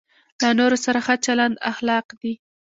له نورو سره ښه چلند اخلاق دی.